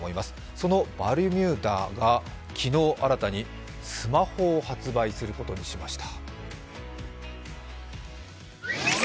そのバルミューダが昨日、新たにスマホを発売することにしました。